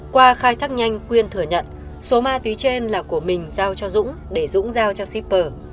qua khai thác nhanh quyên thừa nhận số ma túy trên là của mình giao cho dũng để dũng giao cho shipper